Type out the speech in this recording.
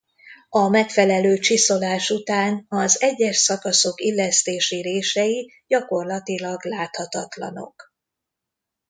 A megfelelő csiszolás után az egyes szakaszok illesztési rései gyakorlatilag láthatatlanok.